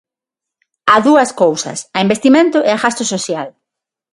A dúas cousas: a investimento e a gasto social.